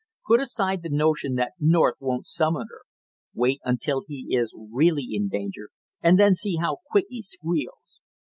Put aside the notion that North won't summon her; wait until he is really in danger and then see how quick he squeals!"